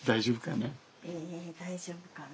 大丈夫かな？